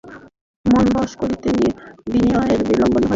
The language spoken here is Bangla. মন বশ করিতে বিনয়ের বিলম্ব হইত না।